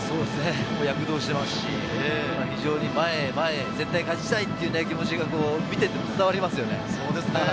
躍動していますし、前へ前へ、絶対勝ちたいという気持ちが見ていて伝わりますよね。